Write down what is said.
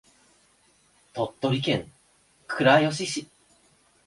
鳥取県倉吉市